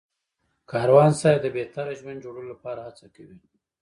کاروان صاحب د بهتره ژوند جوړولو لپاره هڅه کوي.